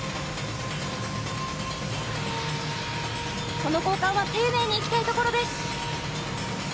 この交換は丁寧にいきたいところです。